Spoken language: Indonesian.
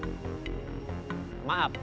tidak ada maaf bagimu